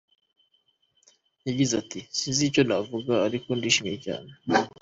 Yagize ati “Sinzi icyo navuga ariko ndishimye cyane.